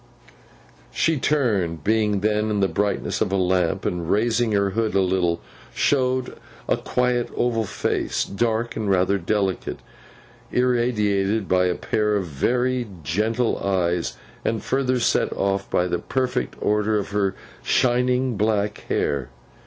She turned, being then in the brightness of a lamp; and raising her hood a little, showed a quiet oval face, dark and rather delicate, irradiated by a pair of very gentle eyes, and further set off by the perfect order of her shining black hair.